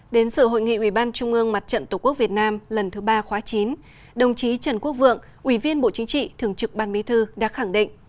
đến sự hội nghị ủy ban trung ương mặt trận tổ quốc việt nam lần thứ ba khóa chín đồng chí trần quốc vượng ủy viên bộ chính trị thường trực ban bí thư đã khẳng định